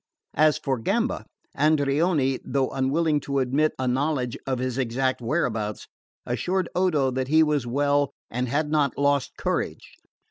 As for Gamba, Andreoni, though unwilling to admit a knowledge of his exact whereabouts, assured Odo that he was well and had not lost courage.